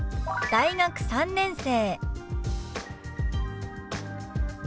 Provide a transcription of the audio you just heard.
「大学３年生」。